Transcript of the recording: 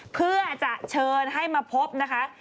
เพื่อจะเชิญให้มาพบนะคะ